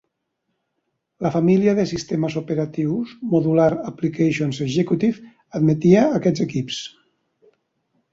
La família de sistemes operatius Modular Applications eXecutive admetia aquests equips.